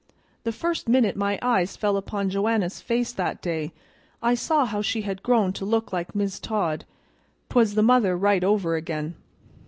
The first minute my eyes fell upon Joanna's face that day I saw how she had grown to look like Mis' Todd. 'Twas the mother right over again."